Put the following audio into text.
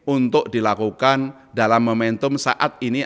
untuk dilakukan dalam momentum saat ini